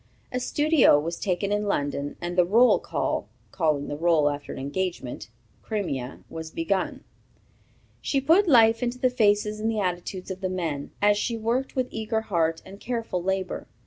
A studio was taken in London, and the "Roll Call" (calling the roll after an engagement, Crimea) was begun. She put life into the faces and the attitudes of the men, as she worked with eager heart and careful labor.